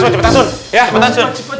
cepetan asun cepetan asun